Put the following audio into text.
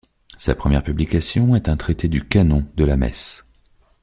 Sa première publication est un traité du canon de la messe.